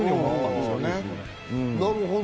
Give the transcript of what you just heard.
なるほど。